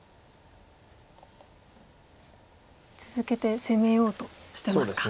続けて攻めようとしてますか。